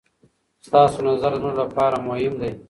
ستاسې نظر زموږ لپاره مهم دی.